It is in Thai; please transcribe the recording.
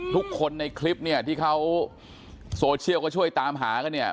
ทุกคนในคลิปเนี่ยที่เขาโซเชียลก็ช่วยตามหากันเนี่ย